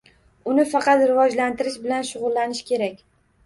Uni faqat rivojlantirish bilan shug‘ullanish kerak.